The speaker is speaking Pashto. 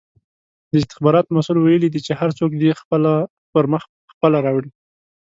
د استخباراتو مسئول ویلې دي چې هر څوک دې خپله فرمه پخپله راوړي!